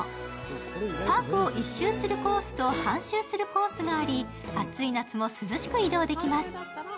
パークを一周するコースと半周するコースがあり、暑い夏も涼しく移動できます。